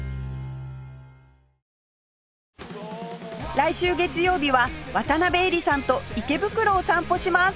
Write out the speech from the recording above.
来週月曜日は渡辺えりさんと池袋を散歩します